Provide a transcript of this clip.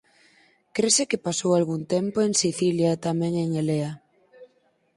Crese que pasou algún tempo en Sicilia e tamén en Elea.